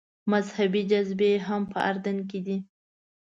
مذهبي جاذبې هم په اردن کې دي.